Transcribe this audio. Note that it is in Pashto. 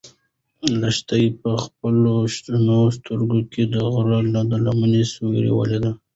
لښتې په خپلو شنه سترګو کې د غره د لمنې سیوری ولید.